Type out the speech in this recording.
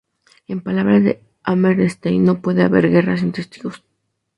En palabras de Hammerstein: "No puede haber guerra sin testigos.